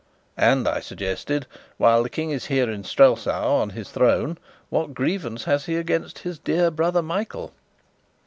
"And," I suggested, "while the King is here in Strelsau, on his throne, what grievance has he against his dear brother Michael?"